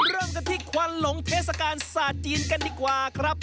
เริ่มกันที่ควันหลงเทศกาลศาสตร์จีนกันดีกว่าครับ